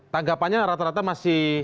tanggapannya rata rata masih